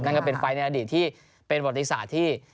นั่นก็เป็นไฟล์ในอดีตที่เป็นปฏิษฐาที่